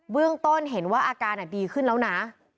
ต้นเห็นว่าอาการดีขึ้นแล้วนะ